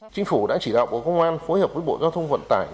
chính phủ đã chỉ đạo bộ công an phối hợp với bộ giao thông vận tải